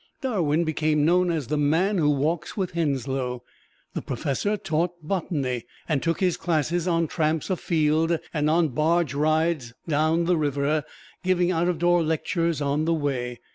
Darwin became known as "the man who walks with Henslow." The professor taught botany, and took his classes on tramps a field and on barge rides down the river, giving out of door lectures on the way.